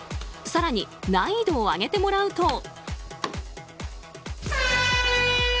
更に、難易度を上げてもらうと。